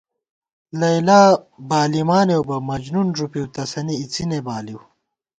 لیلی بالِمانېؤ بہ، مجنون ݫُپِؤ، تسَنی اِڅِنے بالِؤ